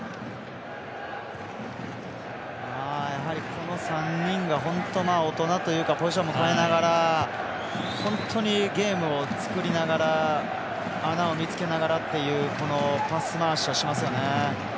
この３人が本当、大人というかポジションも変えながら本当にゲームを作りながら穴を見つけながらというパス回しをしますよね。